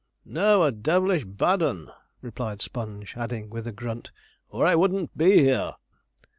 'No; a devilish bad 'un,' replied Sponge, adding with a grunt, 'or I wouldn't be here.'